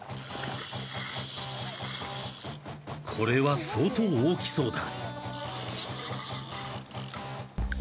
これは相当大きそうだ